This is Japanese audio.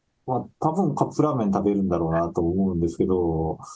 たぶんカップラーメン食べるんだろうなと思うんですけど。